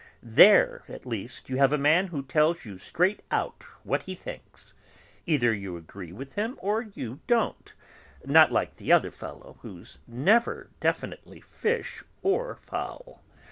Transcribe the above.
There, at least, you have a man who tells you straight out what he thinks. Either you agree with him or you don't. Not like the other fellow, who's never definitely fish or fowl.